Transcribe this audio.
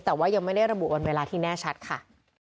แต่ว่ายังไม่ได้ระบุวันเวลาที่แน่ชัดค่ะ